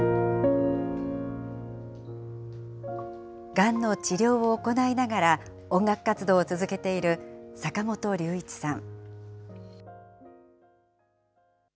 がんの治療を行いながら、音楽活動を続けている坂本龍一さん。